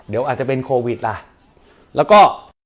แล้วก็